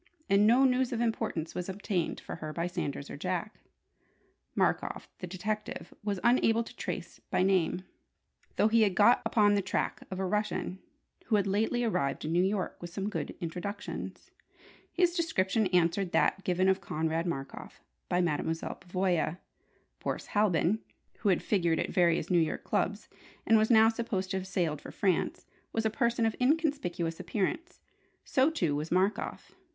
And no news of importance was obtained for her by Sanders or Jack. Markoff the detective was unable to trace by name, though he had got upon the track of a Russian who had lately arrived in New York with some good introductions. His description answered that given of Konrad Markoff by Mademoiselle Pavoya. Boris Halbin (who had figured at various New York clubs, and was now supposed to have sailed for France) was a person of inconspicuous appearance. So, too, was Markoff.